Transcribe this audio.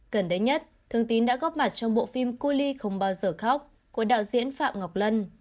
gần đây nhất thương tín đã góp mặt trong bộ phim cui ly không bao giờ khóc của đạo diễn phạm ngọc lân